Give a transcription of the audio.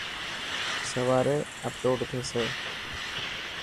سواري اپلوڊ ٿيسي.